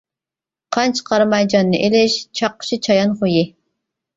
قان چىقارماي جاننى ئېلىش-چاققۇچى چايان خۇيى.